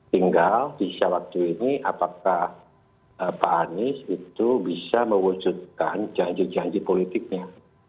tinggal bisa waktu ini apakah pak anies itu bisa mewujudkan janji janji politiknya